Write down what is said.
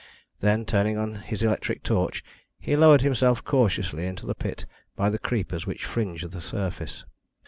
Then turning on his electric torch, he lowered himself cautiously into the pit by the creepers which fringed the surface.